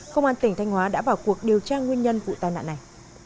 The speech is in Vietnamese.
công an tỉnh thánh hóa đã bảo cuộc điều tra nguyên nhân vụ tai nạn này